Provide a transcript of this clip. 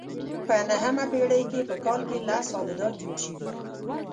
په نهمه پېړۍ کې په کال کې لس ابدات جوړ شوي.